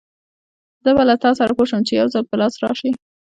زه به له تاسره پوه شم، چې يوځل په لاس راشې!